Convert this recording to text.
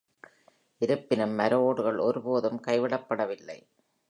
இருப்பினும், மர ஓடுகள் ஒருபோதும் கைவிடப்படவில்லை.